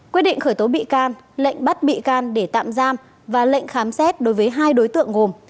quyết định khởi tố bị can lệnh bắt bị can để tạm giam và lệnh khám xét đối với hai đối tượng gồm